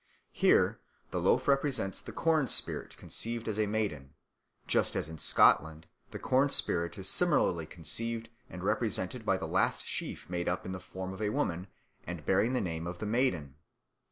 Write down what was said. Here the loaf represents the corn spirit conceived as a maiden; just as in Scotland the corn spirit is similarly conceived and represented by the last sheaf made up in the form of a woman and bearing the name of the Maiden.